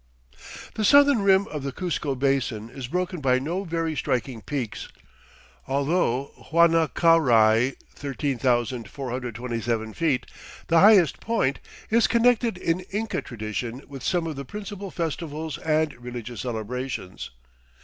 The southern rim of the Cuzco Basin is broken by no very striking peaks, although Huanacaurai (13,427 ft.), the highest point, is connected in Inca tradition with some of the principal festivals and religious celebrations.